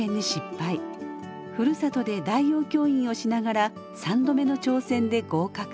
ふるさとで代用教員をしながら３度目の挑戦で合格。